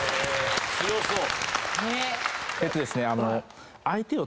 強そう。